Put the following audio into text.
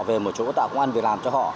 về một chỗ tạo quan việc làm cho họ